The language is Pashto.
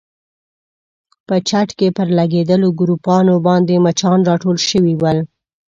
په چت کې پر لګېدلو ګروپانو باندې مچان راټول شوي ول.